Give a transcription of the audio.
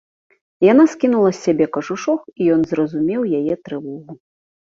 Яна скінула з сябе кажушок, і ён зразумеў яе трывогу.